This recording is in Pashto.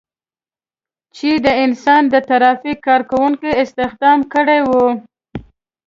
چې د انسان د ترافیک کار کوونکو استخدام کړي وو.